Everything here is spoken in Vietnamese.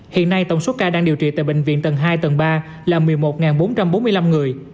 hiện nay tổng số ca đang điều trị tại bệnh viện tầng hai tầng ba là một mươi một bốn trăm bốn mươi năm người